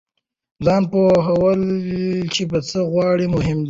ځان پوهول چې څه غواړئ مهم دی.